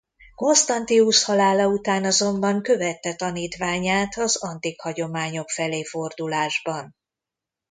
Constantius halála után azonban követte tanítványát az antik hagyományok felé fordulásban.